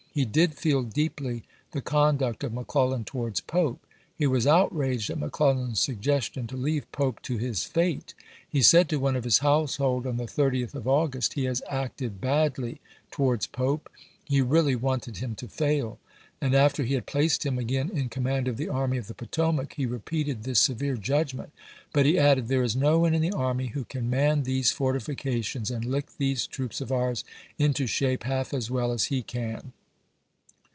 He did feel deeply the conduct of McClellan towards Pope. He was outraged at Mc Clellan's suggestion to leave Pope to his fate. He said to one of his household on the 30th of August, 1862. "He has acted badly towards Pope; he really wanted him to fail "; and after he had placed him in^ry. again in command of the Army of the Potomac he repeated this severe judgment, but he added, " There is no one in the army who can man these fortifications and lick these troops of ours into shape half as well as he can."